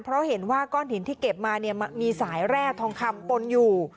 เพราะเห็นว่าก้อนหินที่เก็บมาเนี่ยมีสายแร่ทองคำปนอยู่